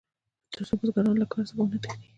تر څو بزګران له کار څخه ونه تښتي.